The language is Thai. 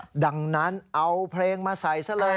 เพราะฉะนั้นเอาเพลงมาใส่ซะเลย